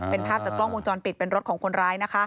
เป็นภาพจากกล้องวงจรปิดเป็นรถของคนร้ายนะคะ